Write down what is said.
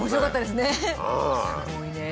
すごいね。